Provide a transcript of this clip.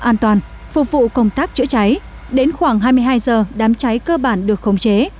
an toàn phục vụ công tác chữa cháy đến khoảng hai mươi hai giờ đám cháy cơ bản được khống chế